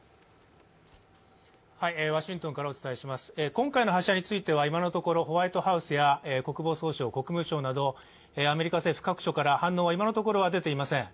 今回の発射については今のところホワイトハウスや国防総省、国務庁などアメリカ政府各所から反応は今のところはでていません。